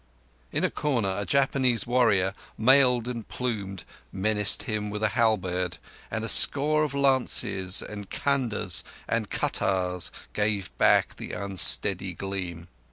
In a corner, a Japanese warrior, mailed and plumed, menaced him with a halberd, and a score of lances and khandas and kuttars gave back the unsteady gleam.